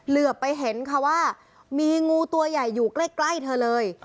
เหลือไปเห็นค่ะว่ามีงูตัวใหญ่อยู่ใกล้เธอเลย